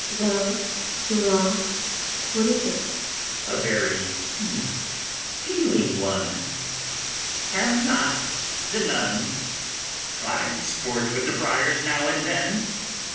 ABIGAIL. Well, sirrah, what is't? ITHAMORE. A very feeling one: have not the nuns fine sport with the friars now and then?